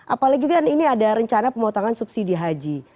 apalagi kan ini ada rencana pemotongan subsidi haji